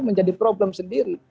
menjadi problem sendiri